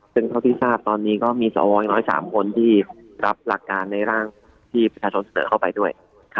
ซึ่งเท่าที่ทราบตอนนี้ก็มีสวอย่างน้อย๓คนที่รับหลักการในร่างที่ประชาชนเสนอเข้าไปด้วย